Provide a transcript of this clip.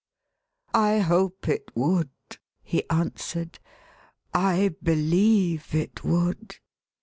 " I hope it would," he answered. " I believe it would."